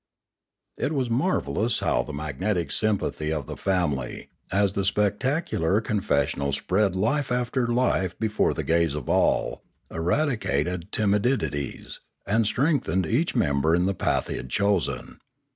It was marvellous how the magnetic sympathy of the family, as the spectacular confessional spread life after life before the gaze of all, eradicated timidities, and strengthened each member in the path he had chosen.